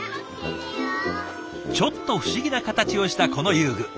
ちょっと不思議な形をしたこの遊具。